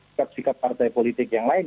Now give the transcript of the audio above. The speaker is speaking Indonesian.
sikap sikap partai politik yang lain